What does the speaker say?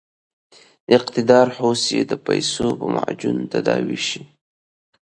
اقتدار هوس یې د پیسو په معجون تداوي شي.